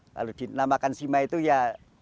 kalau dinamakan sima itu ya